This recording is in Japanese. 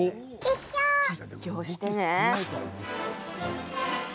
実況してね。